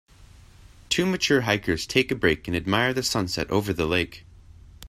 Two mature hikers take a break and admire the sunset over the lake.